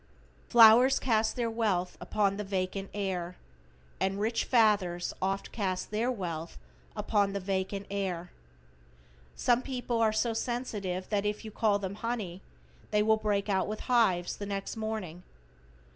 Flowers cast their wealth upon the vacant air, and rich fathers oft cast their wealth upon the vacant heir. Some people are so sensitive that if you call them "Honey," they will break out with the "hives" the next morning.